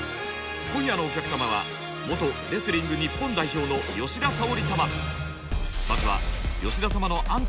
今夜のお客様は元レスリング日本代表の吉田沙保里様。